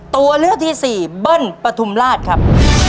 ตัวเลือกที่สี่เบิ้ลปฐุมราชครับ